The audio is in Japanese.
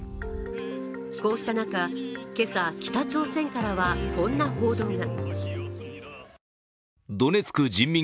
こうした中、今朝、北朝鮮からはこんな報道が。